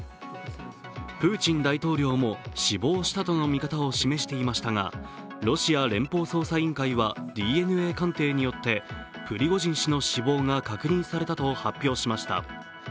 プーチン大統領も死亡したとの見方を示していましたがロシア連邦捜査委員会はＤＮＡ鑑定によってプリゴジン氏の死亡が確認されたと発表しました。